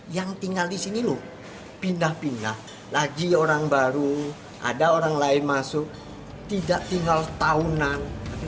yang tinggal di sini loh pindah pindah lagi orang baru ada orang lain masuk tidak tinggal tahunan